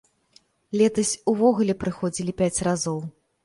Летась увогуле прыходзілі пяць разоў.